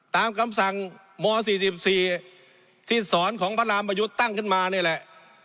ตามคำสั่งม๔๔ที่สอนของพระรามประยุทธ์ตั้งขึ้นมานี่แหละ